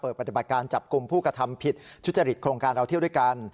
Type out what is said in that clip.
ปฏิบัติการจับกลุ่มผู้กระทำผิดทุจริตโครงการเราเที่ยวด้วยกัน